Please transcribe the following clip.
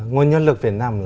nguồn nhân lực việt nam